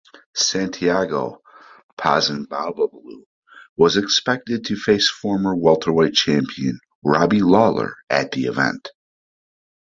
Santiago Ponzinibbio was expected to face former welterweight champion Robbie Lawler at the event.